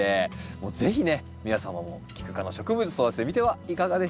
もう是非ね皆様もキク科の植物育ててみてはいかがでしょうか？